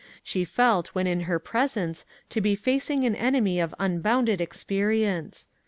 She felt when in her presence to be facing an enemy of unbounded experience.